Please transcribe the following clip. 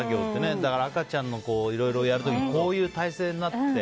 だから、赤ちゃんのいろいろやる時にこういう体勢になって。